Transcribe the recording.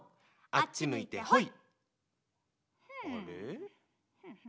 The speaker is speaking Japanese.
あっち向いてほい！